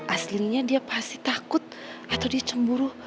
aslinya dia pasti takut atau dia cemburu